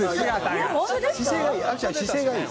姿勢がいい。